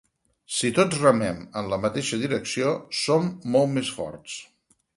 Si tots remem en la mateixa direcció, som molt més forts.